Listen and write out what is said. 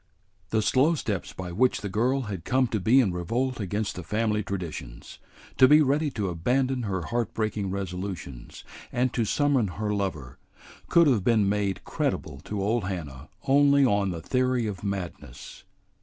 The slow steps by which the girl had come to be in revolt against the family traditions, to be ready to abandon her heart breaking resolutions, and to summon her lover, could have been made credible to old Hannah only on the theory of madness.